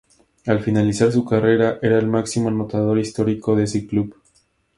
Al finalizar su carrera, era el máximo anotador histórico de ese club.